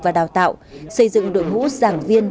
và đào tạo xây dựng đội ngũ giảng viên